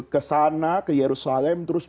ke sana ke yerusalem terus